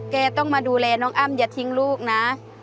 แกต้องมาดูแลน้องอ้ำอย่าทิ้งลูกนะ